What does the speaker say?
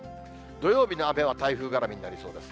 土曜日の雨は台風絡みになりそうです。